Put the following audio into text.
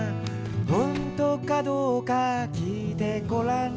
「ほんとかどうかきいてごらん」